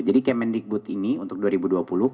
jadi kemendikbud ini untuk dianggarkan